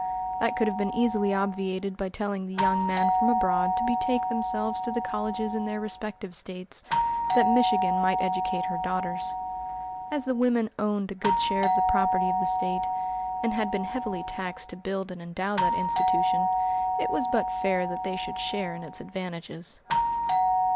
That could have been easily obviated by telling the young men from abroad to betake themselves to the colleges in their respective States, that Michigan might educate her daughters. As the women owned a good share of the property of the State, and had been heavily taxed to build and endow that institution, it was but fair that they should share in its advantages.